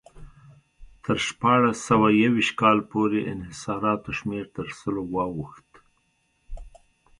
تر شپاړس سوه یو ویشت کال پورې انحصاراتو شمېر تر سلو واوښت.